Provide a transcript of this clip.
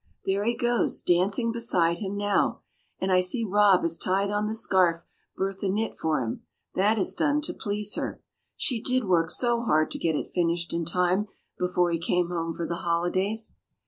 There he goes, dancing beside him now; and I see Rob has tied on the scarf Bertha knit for him; that is done to please her. She did work so hard to get it finished in time before he came home for the holidays."